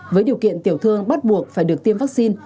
với điều kiện tiểu thương bắt buộc phải được tiêm vaccine